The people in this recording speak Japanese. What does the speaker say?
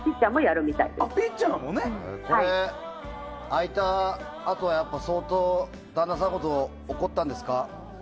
開いたあと相当、旦那さんのこと怒ったんですか？